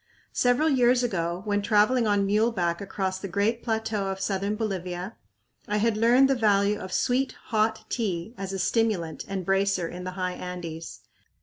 Several years ago, when traveling on muleback across the great plateau of southern Bolivia, I had learned the value of sweet, hot tea as a stimulant and bracer in the high Andes.